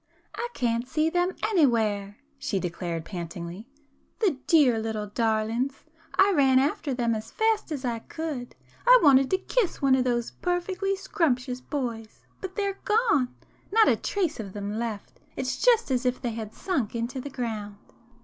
"I can't see them anywhere!" she declared pantingly—"The dear little darlings! I ran after them as fast as I could; I wanted to kiss one of those perfectly scrumptious boys, but they're gone!—not a trace of them left! It's just as if they had sunk into the ground!"